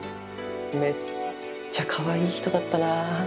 めっちゃかわいい人だったな。